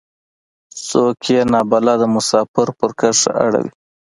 څوک يې نا بلده مسافر پر کرښه اړوي.